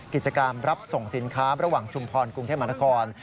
กิจกรรมรับส่งสินค้าระหว่างชุมพรกรุงเทพมหานคร